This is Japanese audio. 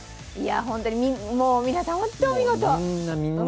ホント、皆さん本当にお見事！